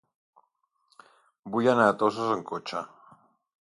Vull anar a Toses amb cotxe.